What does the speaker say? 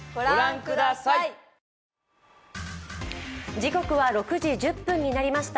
時刻は６時１０分となりました。